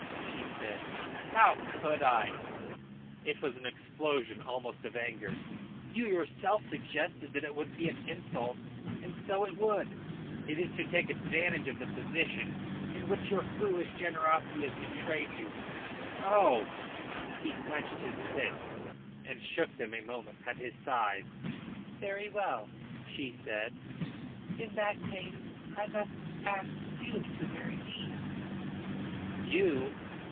she said. "How could I?" It was an explosion almost of anger. "You yourself suggested that it would be an insult; and so it would. It is to take advantage of the position into which your foolish generosity has betrayed you. Oh!" he clenched his fists and shook them a moment at his sides. "Very well," she said. "In that case I must ask you to marry me." "You?"